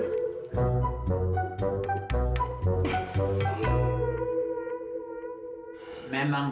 kita udah bersama sama